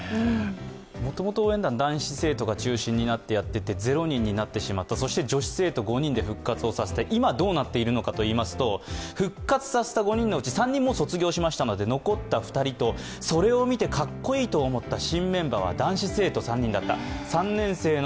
もともと応援団は男子生徒が中心になってやってて０人になってしまった、女子生徒５人で復活させて、今、どうなっているかと言いますと復活した５人のうち３人、もう卒業しましたので、残った２人と、それを見てかっこいいと思ったのは男子生徒３人だった。